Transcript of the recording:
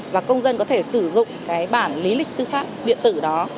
và công dân có thể sử dụng cái bản lý lịch tư pháp điện tử đó